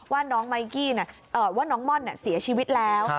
ว่าน้องไมกี้ว่าน้องม่อนเสียชีวิตแล้ว